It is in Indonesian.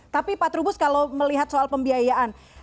tapi pak trubus kalau melihat soal pembiayaan